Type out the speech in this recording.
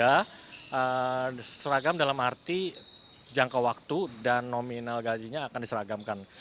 dan setiap klub yang menolak seragam dalam arti jangka waktu dan nominal gajinya akan diseragamkan